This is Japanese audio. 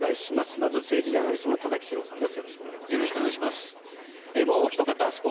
まず政治ジャーナリストの田崎史郎さんです。